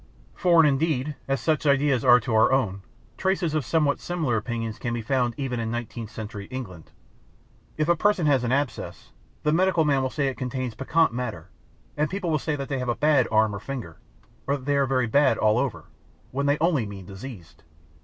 Foreign, indeed, as such ideas are to our own, traces of somewhat similar opinions can be found even in nineteenth century England. If a person has an abscess, the medical man will say that it contains "peccant" matter, and people say that they have a "bad" arm or finger, or that they are very "bad" all over, when they only mean "diseased."